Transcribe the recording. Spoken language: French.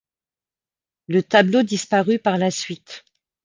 Le tableau disparut par la suite.